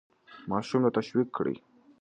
ماشوم تشویق کړئ.